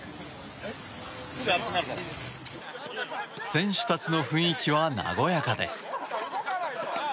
選手たちの雰囲気は和やかです。